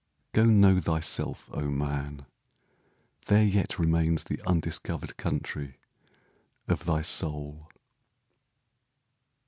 Go, know thyself, O man! there yet remains The undiscovered country of thy soul!